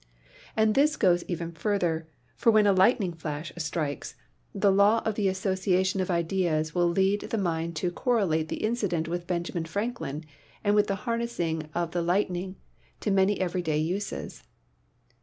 And this goes even farther, for when a lightning flash strikes, the law of the association of ideas will lead the mind to correlate the incident with Benjamin Franklin and with the harnessing of the lightning to many 2 PHYSICS everyday uses.